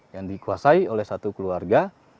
yang dikuasai oleh satu keluarga